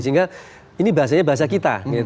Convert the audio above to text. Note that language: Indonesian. sehingga ini bahasanya bahasa kita